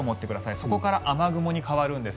そこから雨雲に変わるんです。